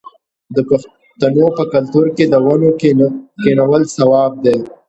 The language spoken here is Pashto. د پښتنو په کلتور کې د ونو کینول ثواب دی.